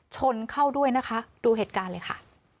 ชนเข้าด้วยนะคะดูเหตุการณ์เลยค่ะ